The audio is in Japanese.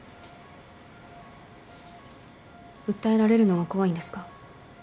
訴えられるのが怖いんですか？